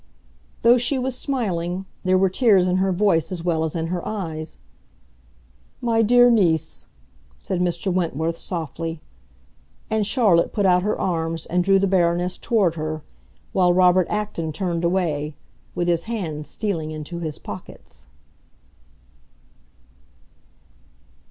Though she was smiling, there were tears in her voice as well as in her eyes. "My dear niece," said Mr. Wentworth, softly. And Charlotte put out her arms and drew the Baroness toward her; while Robert Acton turned away, with his hands stealing into his pockets.